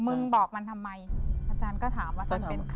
มึงบอกมันทำไมอาจารย์ก็ถามว่าท่านเป็นใคร